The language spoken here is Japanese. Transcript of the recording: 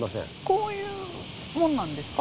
こういうもんなんですか？